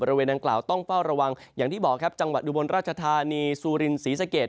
บริเวณดังกล่าวต้องเฝ้าระวังอย่างที่บอกครับจังหวัดอุบลราชธานีซูรินศรีสะเกด